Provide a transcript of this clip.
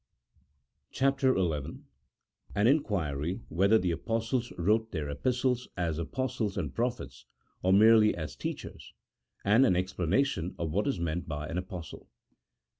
157 CHAPTEE XL AN" INQUIRY WHETHER THE APOSTLES WROTE THEIR EPIS TLES AS APOSTLES AND PROPHETS, OR MERELY AS TEACHERS ; AND AN EXPLANATION OF WHAT IS MEANT BY AN APOSTLE.